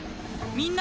みんな。